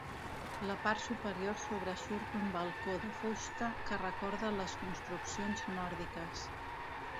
La part superior sobresurt un balcó de fusta que recorda les construccions nòrdiques.